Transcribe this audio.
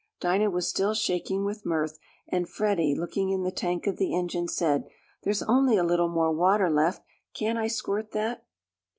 Dinah was still shaking with mirth, and Freddie, looking in the tank of the engine, said: "There's only a little more water left. Can't I squirt that?"